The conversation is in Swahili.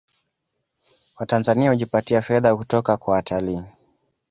Watanzania hujipatia fedha kutoka kwa watalii